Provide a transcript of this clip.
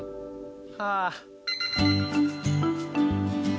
はあ。